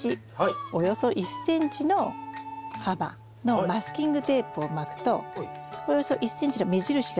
およそ１ｃｍの幅のマスキングテープを巻くとおよそ１ｃｍの目印ができますよね。